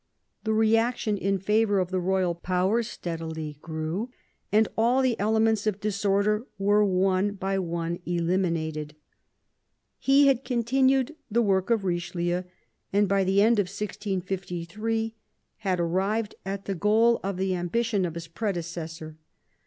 The reaction in favour of the royal power steadily grew, and all the elements of disorder were one by one eliminated. He had continued the work of Richelieu, and by the end of 1653 had arrived at the goal of the ambition of his predecessor.